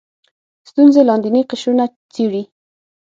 ستونزې لاندیني قشرونه څېړي